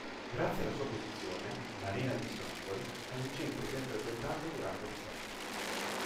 Grazie alla sua posizione, Marina di Strongoli è un centro ben frequentato durante l'estate.